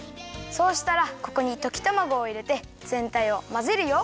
そうしたらここにときたまごをいれてぜんたいをまぜるよ。